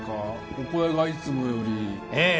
お声がいつもよりええ